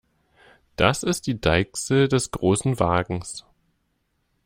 Das ist die Deichsel des Großen Wagens.